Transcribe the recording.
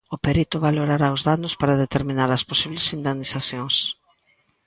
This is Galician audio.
O perito valorará os danos para determinar as posibles indemnizacións.